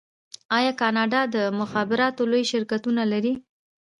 آیا کاناډا د مخابراتو لوی شرکتونه نلري؟